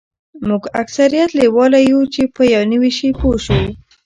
موږ اکثریت لیواله یوو چې په یو نوي شي پوه شو